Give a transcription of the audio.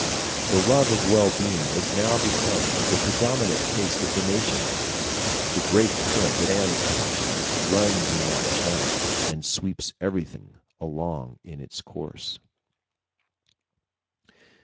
The love of well being is now become the predominant taste of the nation; the great current of man's passions runs in that channel, and sweeps everything along in its course.